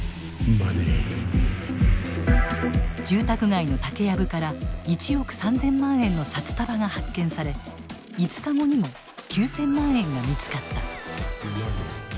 住宅街の竹やぶから１億３，０００万円の札束が発見され５日後にも９，０００万円が見つかった。